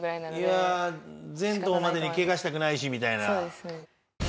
全島までにケガしたくないしみたいな。